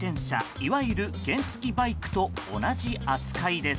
いわゆる原付きバイクと同じ扱いです。